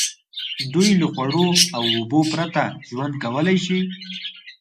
دوی له خوړو او اوبو پرته ژوند کولای شي.